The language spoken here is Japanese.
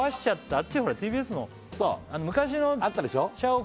あっちほらＴＢＳの昔の社屋のさあったでしょ